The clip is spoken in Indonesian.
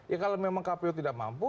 ya kalau memang kpu tidak mampu